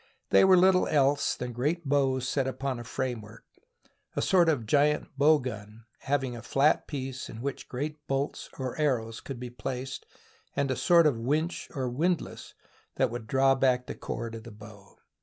They were little else than great bows set upon a framework — a sort of giant bow gun hav ing a flat piece in which great bolts or arrows could be placed, and a sort of winch, or windlass, that would draw back the cord of the bow.